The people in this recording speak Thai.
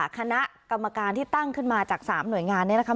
คณะกรรมการที่ตั้งขึ้นมาจาก๓หน่วยงานนี้นะคะ